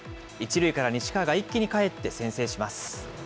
１塁から西川が一気にかえって、先制します。